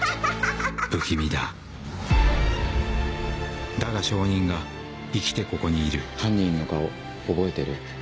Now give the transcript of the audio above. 不気味だだが証人が生きてここにいる犯人の顔覚えてる？